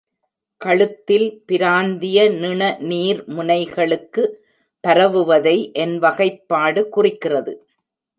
கழுத்தில் பிராந்திய நிணநீர் முனைகளுக்கு பரவுவதை என் வகைப்பாடு குறிக்கிறது.